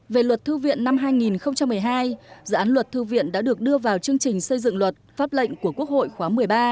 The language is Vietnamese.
về luật thư viện năm hai nghìn một mươi hai dự án luật thư viện đã được đưa vào chương trình xây dựng luật pháp lệnh của quốc hội khóa một mươi ba